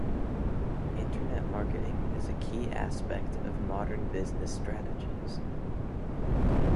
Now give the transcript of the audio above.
Internet marketing is a key aspect of modern business strategies.